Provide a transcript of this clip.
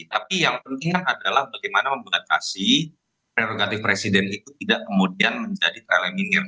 tapi yang penting adalah bagaimana membatasi prerogatif presiden itu tidak kemudian menjadi tereliminir